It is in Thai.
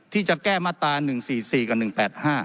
ที่จะแก้มาตรา๑๔๔กับ๑๘๕